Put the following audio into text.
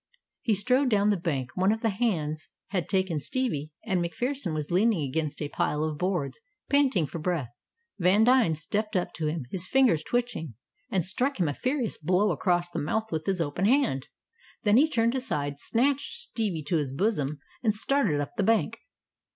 He strode down the bank. One of the hands had taken Stevie, and MacPherson was leaning against a pile of boards, panting for breath. Vandine stepped up to him, his fingers twitching, and struck him a furious blow across the mouth with his open hand. Then he turned aside, snatched Stevie to his bosom, and started up the bank.